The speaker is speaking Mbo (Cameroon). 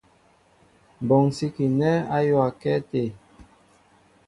Mɓonsikinɛ ayōōakɛ até.